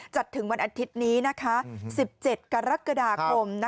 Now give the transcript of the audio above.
จัดถึงวันอาทิตย์นี้นะคะ๑๗กรกฎาคม